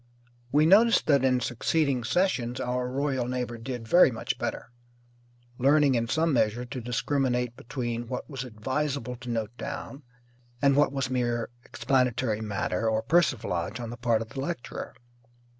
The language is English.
We noticed that in succeeding sessions our royal neighbour did very much better, learning in some measure to discriminate between what was advisable to note down and what was mere explanatory matter or persiflage on the part of the lecturer.